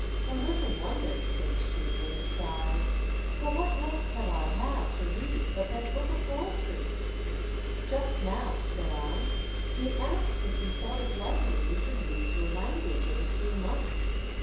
And little wonder," says she, with a sigh, "for what else have I had to read but that book of poetry I" "Just now," said I, "he asked if you thought it likely you should lose your lan guage in a few months.